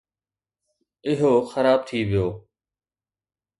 اهو خراب ٿي ويو.